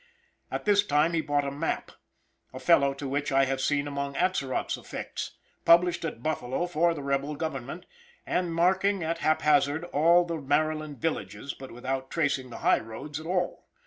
At this time he bought a map, a fellow to which I have seen among Atzerott's effects, published at Buffalo for the rebel government, and marking at hap hazard all the Maryland villages, but without tracing the highroads at all.